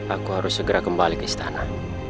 aku harus segera kembali ke istana